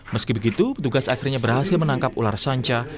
meski begitu petugas akhirnya berhasil menangkap ular sanca